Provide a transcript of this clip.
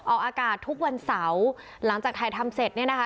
ออกอากาศทุกวันเสาร์หลังจากถ่ายทำเสร็จเนี่ยนะคะ